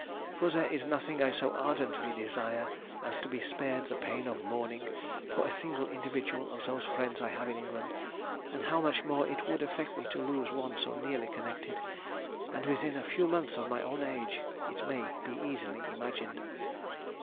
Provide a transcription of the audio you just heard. For there is nothing I so ardently desire as to be spared the pain of mourning for a single individual of those friends I have in England, and how much more it would affect me to lose one so nearly connected, and within a few months of my own age, it may be easily imagined....